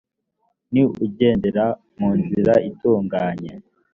ni ugendera mu nzira itunganye